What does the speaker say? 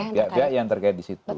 banyak pihak yang terkait disitu